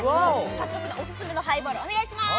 早速オススメのハイボール、お願いします。